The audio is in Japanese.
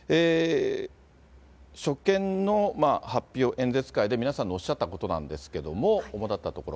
所見の発表演説会で皆さんのおっしゃったことなんですけれども、主だったところ。